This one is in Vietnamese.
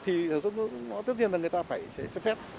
thì sản xuất lắp ráp nó tất nhiên là người ta phải sẽ xếp phép